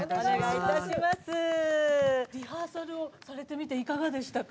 リハーサルをされてみていかがでしたか？